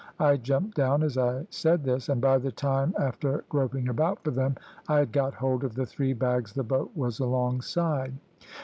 I jumped down as I said this, and by the time, after groping about for them, I had got hold of the three bags, the boat was alongside.